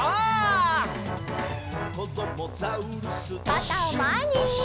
かたをまえに！